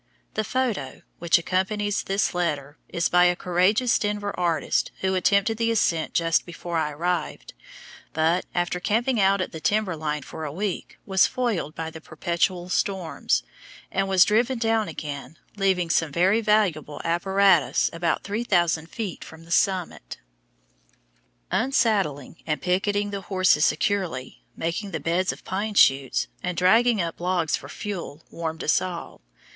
The "photo" which accompanies this letter is by a courageous Denver artist who attempted the ascent just before I arrived, but, after camping out at the timber line for a week, was foiled by the perpetual storms, and was driven down again, leaving some very valuable apparatus about 3,000 feet from the summit. Unsaddling and picketing the horses securely, making the beds of pine shoots, and dragging up logs for fuel, warmed us all.